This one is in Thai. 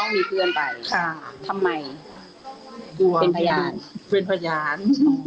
ต้องมีเพื่อนไปค่ะทำไมเป็นพยานเป็นพยานอ๋อ